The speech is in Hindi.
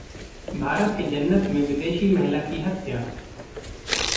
भारत के जन्नत में विदेशी महिला की हत्या